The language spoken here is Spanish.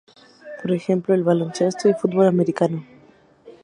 Por ejemplo el baloncesto y futbol americano.